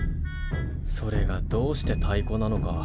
それがどうしてたいこなのか。